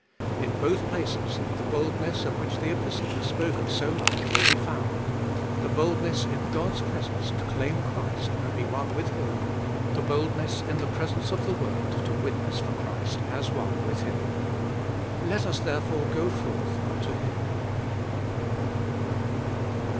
In both places the boldness of which the Epistle has spoken so much will be found : the boldness in God's presence to claim Christ and be one with Him ; the boldness in presence of the world to witness for Christ as one with Him. Let us therefore go forth unto Him.